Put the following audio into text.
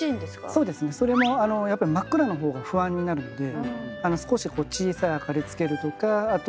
そうですねそれもやっぱり真っ暗の方が不安になるので少し小さい明かりをつけるとかあとは音を出すとか。